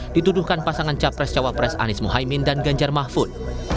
dituduhkan pasangan capres cawapres anies muhaymin dan ganjar mahfud